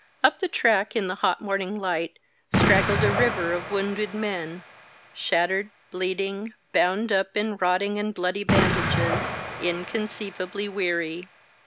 Up the track in the hot morning light straggled a river of wounded men, shattered, bleeding, bound up in rotting and bloody bandages, inconceiva bly weary.